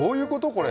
これ？